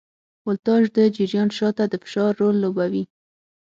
ولتاژ د جریان شاته د فشار رول لوبوي.